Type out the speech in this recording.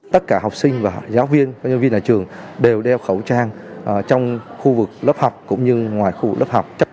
tất cả học sinh và giáo viên các nhân viên nhà trường đều đeo khẩu trang trong khu vực lớp học cũng như ngoài khu lớp học